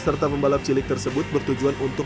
serta pembalap cilik tersebut bertujuan untuk